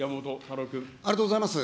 ありがとうございます。